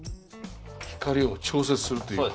光を調節するという。